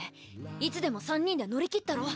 いつでも３人で乗り切ったろ？